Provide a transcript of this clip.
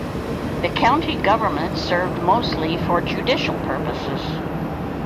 The county government served mostly for judicial purposes.